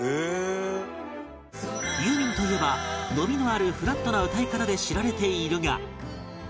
ユーミンといえば伸びのあるフラットな歌い方で知られているが